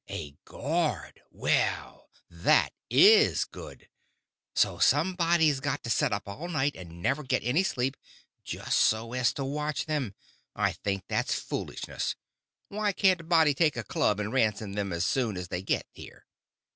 "A guard! Well, that is good. So somebody's got to set up all night and never get any sleep, just so as to watch them. I think that's foolishness. Why can't a body take a club and ransom them as soon as they get here?"